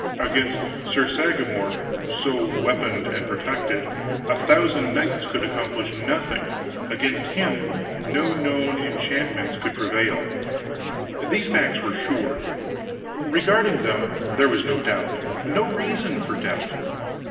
Against Sir Sagramor, so weaponed and protected, a thousand knights could accomplish nothing; against him no known enchantments could prevail. These facts were sure; regarding them there was no doubt, no reason for doubt.